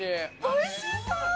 おいしそう！